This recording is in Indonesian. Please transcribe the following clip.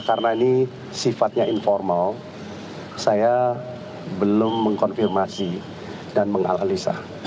karena ini sifatnya informal saya belum mengkonfirmasi dan menganalisa